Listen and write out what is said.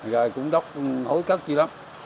rồi cũng đốc hối cất như lắm